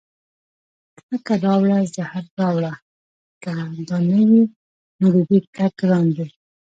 کرکه راوړه زهر راوړه که دا نه وي، نو د دې تګ ګران دی